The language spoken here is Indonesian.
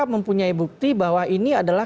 mempunyai bukti bahwa ini adalah